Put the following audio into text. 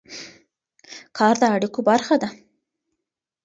کار د اړیکو برخه ده.